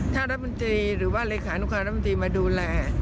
ถ้ารัฐมนตรีหรือว่าเลขานุการรัฐมนตรีมาดูแล